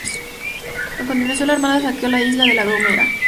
A continuación, la armada saqueó la isla de La Gomera.